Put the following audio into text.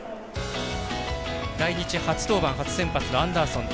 来日初登板初先発のアンダーソン。